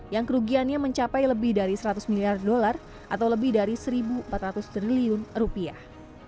yang kerugiannya mencapai lebih dari seratus miliar dolar atau lebih dari satu empat ratus triliun rupiah